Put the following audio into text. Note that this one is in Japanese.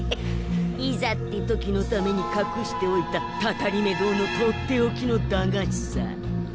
いざって時のためにかくしておいたたたりめ堂のとっておきの駄菓子さ。